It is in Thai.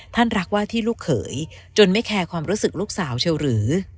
รักว่าที่ลูกเขยจนไม่แคร์ความรู้สึกลูกสาวเชียวหรือ